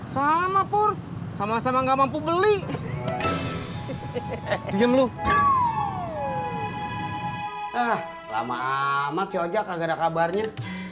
sama pur sama sama nggak mampu beli dijam lu ah lama amat ya aja kagak ada kabarnya